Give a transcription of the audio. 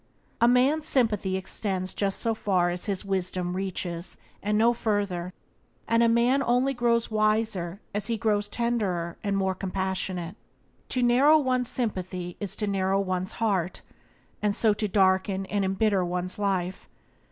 A man's sympathy extends just so far as his wisdom reaches, and no further; and a man only grows wiser as he grows tenderer and more compassionate. To narrow one's sympathy is to narrow one's heart, and so to darken and embitter one's life.